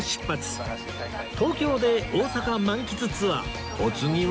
東京で大阪満喫ツアーお次は？